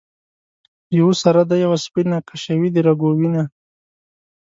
یوه سره ده یوه سپینه ـ کشوي د رګو وینه